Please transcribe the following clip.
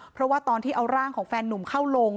เพราะว่าตอนที่เอาร่างของแฟนนุ่มเข้าลง